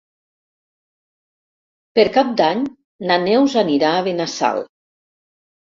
Per Cap d'Any na Neus anirà a Benassal.